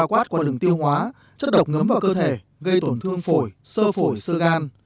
quát qua đường tiêu hóa chất độc ngấm vào cơ thể gây tổn thương phổi sơ phổi sơ gan